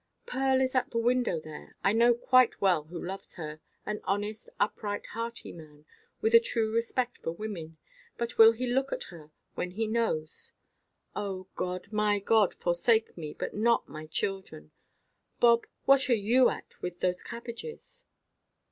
Pearl is at the window there. I know quite well who loves her—an honest, upright, hearty man, with a true respect for women. But will he look at her when he knows——Oh God, my God, forsake me, but not my children!—Bob, what are you at with those cabbages?"